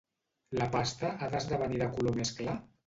La pasta ha d'esdevenir de color més clar?